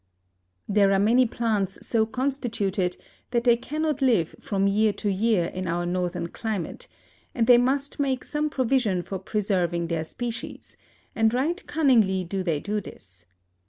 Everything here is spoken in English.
There are many plants so constituted that they cannot live from year to year in our northern climate, and they must make some provision for preserving their species, and right cunningly do they do this.